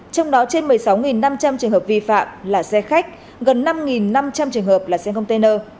trong đó trên một mươi sáu năm trăm linh trường hợp vi phạm là xe khách gần năm năm trăm linh trường hợp là xe container